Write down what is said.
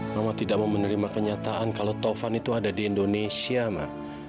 mama tidak mau menerima kenyataan kalau taufan itu ada di indonesia mak